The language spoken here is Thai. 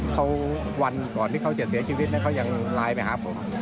เขาวันก่อนที่เขาจะเสียชีวิตเขายังไลน์ไปหาผม